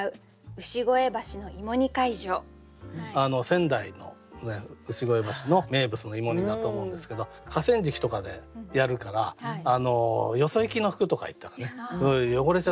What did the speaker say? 仙台の牛越橋の名物の芋煮だと思うんですけど河川敷とかでやるからよそ行きの服とかいったらね汚れちゃうじゃないですか。